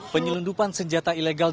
penyelundupan senjata ilegal